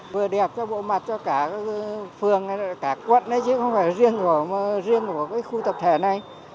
vừa đẹp cho bộ mặt cho cả phường cả quận chứ không phải riêng của khu tập thể này